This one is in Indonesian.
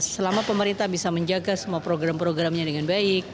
selama pemerintah bisa menjaga semua program programnya dengan baik